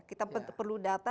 kita perlu data